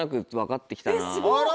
あら？